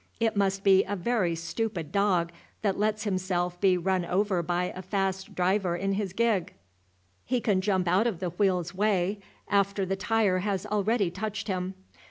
It must be a very stupid dog that lets himself be run over by a fast driver in his gig; he can jump out of the wheel's way after the tire has already touched him.